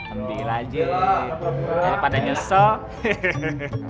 ambil aja kalau pada nyusok